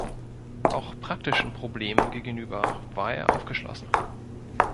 Auch praktischen Problemen gegenüber war er aufgeschlossen.